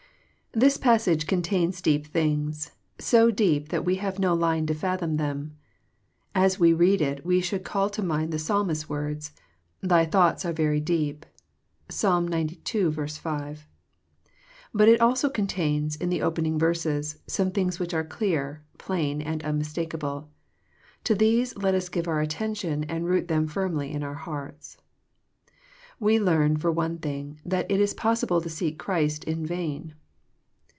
This passage oontains deep things, so deep that we have no line to fathom them. As we read it we should call to mind the Psalmist's words, — "Thy thoughts are very deep. (Psalm x«ii. 5.) But it also contains, in the opening verses, some things which are clear, plain, and unmistakable. To these let us give our attention and root them firmly in our hearts. We learn, for one thing, thai it is po^ible to seek Clirist in vain.